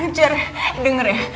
anjir denger ya